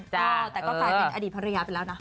แต่ก็กลายเป็นอดีตภรรยาไปแล้วนะ